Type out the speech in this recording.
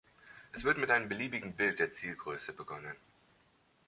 Es wird mit einem beliebigen Bild der Zielgröße begonnen.